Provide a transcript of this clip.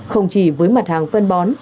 không chỉ với mặt hàng phân bón